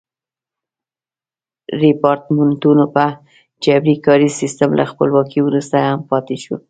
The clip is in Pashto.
ریپارټمنټو یا جبري کاري سیستم له خپلواکۍ وروسته هم پاتې شو.